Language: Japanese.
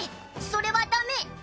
それはダメ！